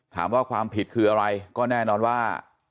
ความผิดคืออะไรก็แน่นอนว่า